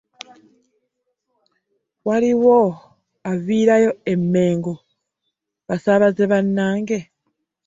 Waliwo aviirayo e Mengo basaabaze bannange?